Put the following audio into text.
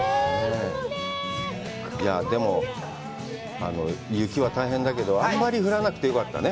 いや、でも、雪は大変だけど、あんまり降らなくてよかったね。